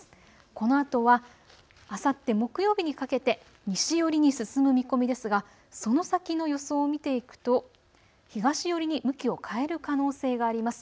このあとはあさって木曜日にかけて西寄りに進む見込みですがその先の予想を見ていくと東寄りに向きを変える可能性があります。